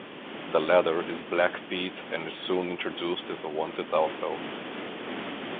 The latter is Black Pete and is soon introduced as a wanted outlaw.